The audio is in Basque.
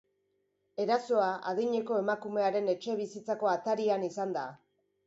Erasoa adineko emakumearen etxebizitzako atarian izan da.